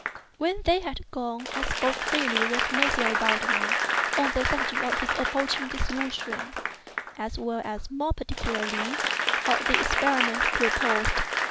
When they had gone, I spoke freely with M. Valdemar on the subject of his approaching dissolution, as well as, more particularly, of the experiment proposed.